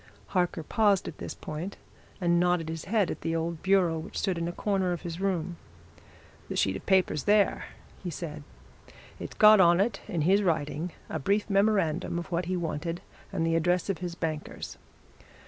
Harker paused at this point and nodded his head at an old bureau which stood in a corner of his room. "The sheet of paper's there," he said. "It's got on it, in his writing, a brief memorandum of what he wanted and the address of his bankers.